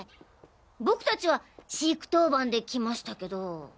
僕達は飼育当番で来ましたけど。